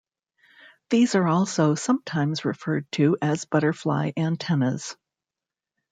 These are also sometimes referred to as butterfly antennas.